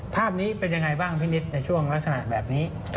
ภาพนี้เป็นยังไงบ้างพี่นิดในช่วงลักษณะแบบนี้